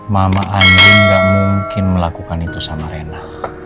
mama andi gak mungkin melakukan itu sama rena